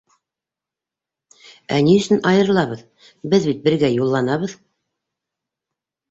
Ә ни өсөн айырылабыҙ, беҙ бит бергә юлланабыҙ.